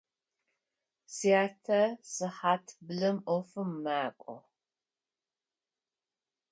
Сятэ сыхьат блым ӏофым мэкӏо.